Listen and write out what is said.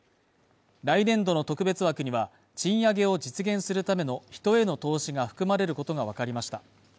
来年度の特別枠には賃上げを実現するための、人への投資が含まれることがわかりました。